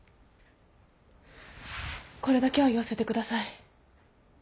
これだけは言わせてください。